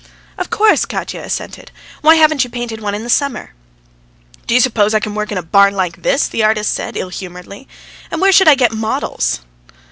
"Of course!" Katya assented. "Why haven't you painted one in the summer?" "Do you suppose I can work in a barn like this?" the artist said ill humouredly. "And where should I get models?"